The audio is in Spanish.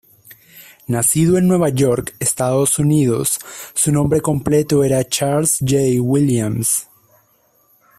Nacido en Nueva York, Estados Unidos, su nombre completo era Charles Jay Williams.